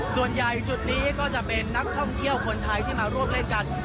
ส่วนใหญ่จุดนี้ก็จะเป็นนักท่องเที่ยวคนไทยที่มาร่วมเล่นกัน